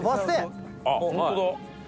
本当だ。